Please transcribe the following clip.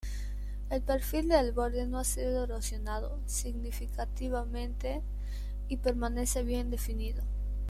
El perfil del borde no ha sido erosionado significativamente y permanece bien definido.